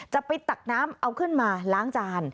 ตักน้ำเอาขึ้นมาล้างจาน